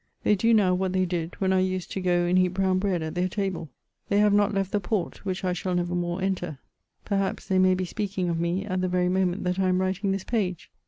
They do now what they did When I nsed to go and eat brown bread at their table. They have not left the port which I shall nerer more enter. Perhaps they may be speaking of me, at the very moment that I am writing this page.